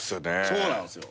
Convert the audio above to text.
そうなんすよ。